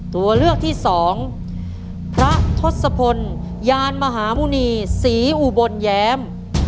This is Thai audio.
ตัวเลือกที่สองพระทศพลยานมหาหมุณีศรีอุบลแย้ม